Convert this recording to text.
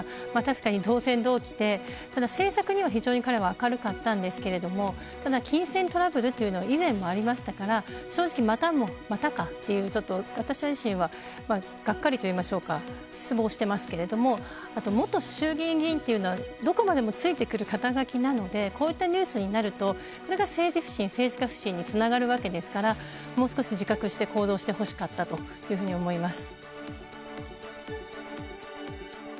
当選同期でただ政策には非常に彼は明るかったんですが金銭トラブルというのは以前もありましたから正直、またかと私自身はがっかりと言いましょうか失望していますが元衆議院議員というのはどこまでも付いてくる肩書きなのでこういったニュースによって政治家不信につながるわけですからもう少し自覚して行動してほしかったと思います。